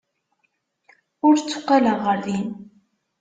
Ur tteqqaleɣ ɣer din.